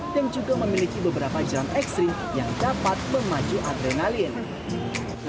dan juga memiliki beberapa jeram ekstrim yang dapat memaju adrenalin